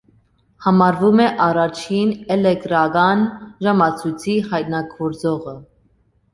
Համարվում է առաջին էլեկտրական ժամացույցի հայտնագործողը։